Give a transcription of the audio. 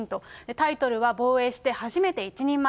タイトルは防衛して初めて一人前。